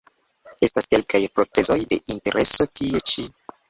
Estas kelkaj procezoj de intereso tie ĉi.